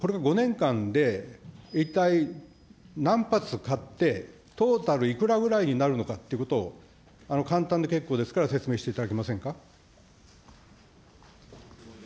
このトマホークですけれど、これが５年間で一体何発買って、トータルいくらぐらいになるのかっていうことを、簡単で結構ですから、説明していただけませんか。